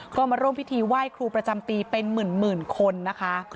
ก็มาร่วมพิธีไหว้ครูประจำปีเป็นหมื่นคนนะคะ